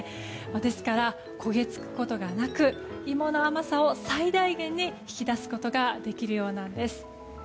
ですから焦げ付くことがなく芋の甘さを最大限に引き出すことができるようなんです。